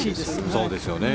そうですよね。